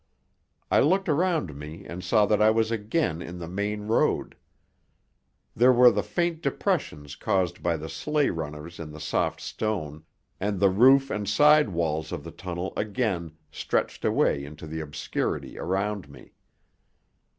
I looked around me and saw that I was again in the main road. There were the faint depressions caused by the sleigh runners in the soft stone, and the roof and side walls of the tunnel again stretched away into the obscurity around me.